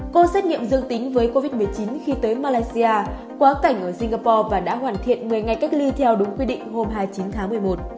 cô xét nghiệm dương tính với covid một mươi chín khi tới malaysia quá cảnh ở singapore và đã hoàn thiện một mươi ngày cách ly theo đúng quy định hôm hai mươi chín tháng một mươi một